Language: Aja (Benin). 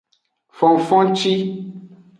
Fonfonci.